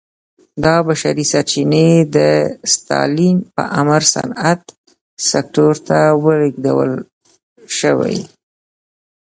دا بشري سرچینې د ستالین په امر صنعت سکتور ته ولېږدول شوې